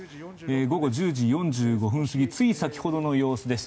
午後１０時４５分過ぎつい先ほどの様子です。